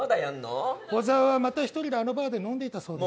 小沢は１人であのバーで飲んでいたそうです。